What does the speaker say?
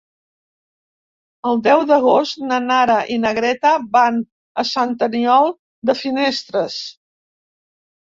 El deu d'agost na Nara i na Greta van a Sant Aniol de Finestres.